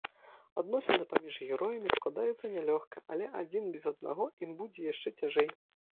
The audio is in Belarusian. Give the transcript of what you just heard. Адносіны паміж героямі складаюцца нялёгка, але адзін без аднаго ім будзе яшчэ цяжэй.